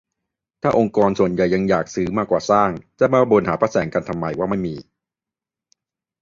ถ้าองค์กรส่วนใหญ่ยังอยากซื้อมากกว่าสร้าง จะมาบ่นหาพระแสงกันทำไมว่าไม่มี